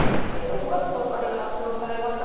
６月１０日に発表されます